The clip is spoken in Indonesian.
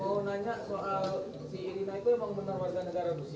mau nanya soal si irina itu emang benar warga negara